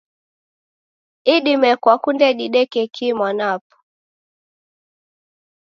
Idime kwakunde dideke kii mwanapo?